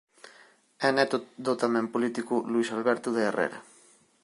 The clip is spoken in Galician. É neto do tamén político Luis Alberto de Herrera.